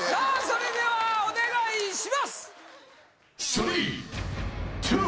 それではお願いします